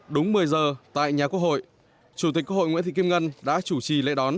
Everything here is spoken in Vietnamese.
đúng một mươi giờ tại nhà quốc hội chủ tịch quốc hội nguyễn thị kim ngân đã chủ trì lễ đón